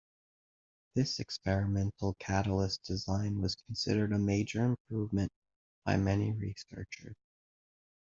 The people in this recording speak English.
This experimental catalyst design was considered a major improvement by many researchers.